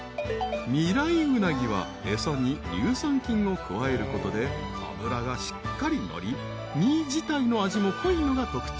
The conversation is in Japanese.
［未来鰻は餌に乳酸菌を加えることで脂がしっかり乗り身自体の味も濃いのが特徴］